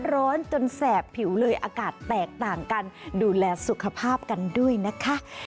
ร้อนจนแสบผิวเลยอากาศแตกต่างกันดูแลสุขภาพกันด้วยนะคะ